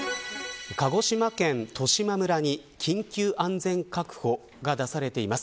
鹿児島県十島村に緊急安全確保が出されています。